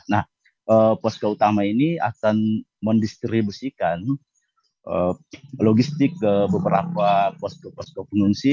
nah posko utama ini akan mendistribusikan logistik ke beberapa posko posko pengungsi